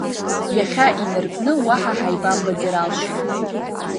Иахьа инаркны уаҳа ҳаибамбаӡар алшоит.